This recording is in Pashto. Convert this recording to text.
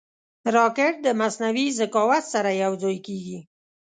راکټ د مصنوعي ذکاوت سره یوځای کېږي